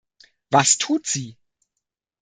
Was tut sie?